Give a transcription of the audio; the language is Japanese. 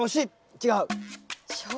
違う？